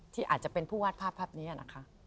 ที่อาจจะเป็นผู้วาดภาพภาพนี้นะคะ